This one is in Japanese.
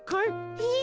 えっ？